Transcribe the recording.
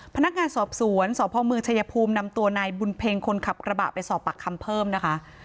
พนักงานสอบสวนสพเมืองชายภูมินำตัวนายบุญเพ็งคนขับกระบะไปสอบปากคำเพิ่มนะคะ